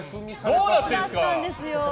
どうなってんですか！